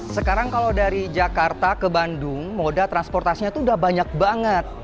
sekarang kalau dari jakarta ke bandung moda transportasinya itu udah banyak banget